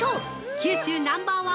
九州ナンバー１！？